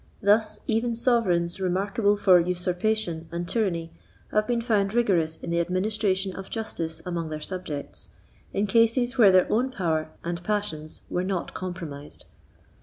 Thus, even sovereigns remarkable for usurpation and tyranny have been found rigorous in the administration of justice among their subjects, in cases where their own power and passions were not compromised.